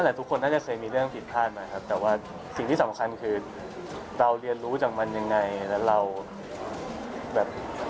หลายคนน่าจะเคยมีเรื่องผิดพลาดมาครับแต่ว่าสิ่งที่สำคัญคือเราเรียนรู้จากมันยังไงแล้วเราแบบ